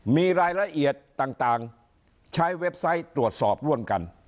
มีรายละเอียดต่างใช้เว็บไซต์ตรวจสอบร่วมกัน